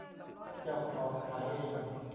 เจ้าของขายเอง